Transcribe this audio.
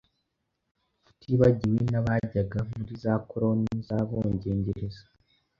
tutibagiwe n'abajyaga muri za koloni z'Abongengereza.